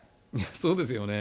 そうですよね。